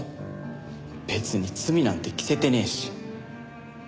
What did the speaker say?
別に罪なんて着せてねえし。